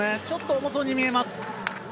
ちょっと重そうに見えます。